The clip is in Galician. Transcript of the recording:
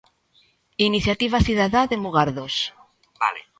Iniciativa Cidadá de Mugardos.